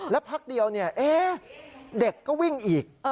แล้วพักเดียวเด็กก็วิ่งอีก